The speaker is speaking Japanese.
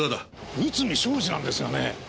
内海将司なんですがね